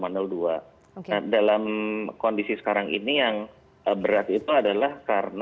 nah dalam kondisi sekarang ini yang berat itu adalah karena